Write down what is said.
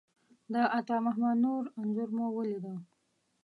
د عطامحمد نور انځور مو ولیده.